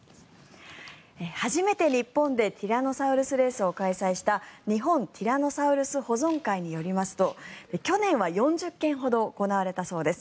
初めて日本でティラノサウルスレースを開催した日本ティラノサウルス保存会によりますと去年は４０件ほど行われたそうです。